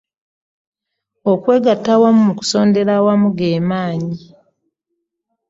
Okwegatta awamu mu kusondera awamu ge maanyi.